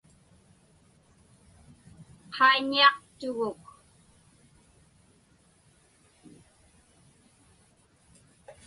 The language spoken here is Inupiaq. Qaiñiaqtuguk.